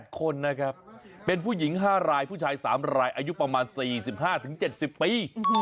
คนนะครับเป็นผู้หญิง๕รายผู้ชาย๓รายอายุประมาณ๔๕๗๐ปี